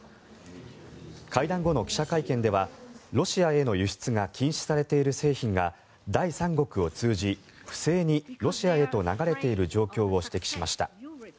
会談後の記者会見ではロシアへの輸出が禁止されている製品が第三国を通じ、不正にロシアへと流れている状況を指摘しました。